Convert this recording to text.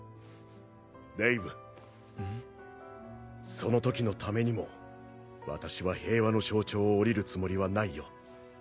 その時のためにも私は平和の象徴を降りるつもりはないよ。